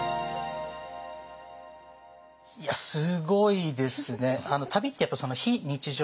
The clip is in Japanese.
いやすごいですね。